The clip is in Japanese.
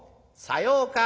「さようか？